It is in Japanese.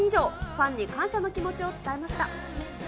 ファンに感謝の気持ちを伝えました。